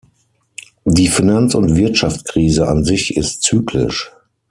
Die Finanz- und Wirtschaftskrise an sich ist zyklisch.